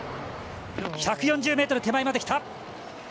１４０ｍ手前まで来た。